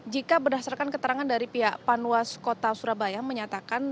jika berdasarkan keterangan dari pihak panwas kota surabaya menyatakan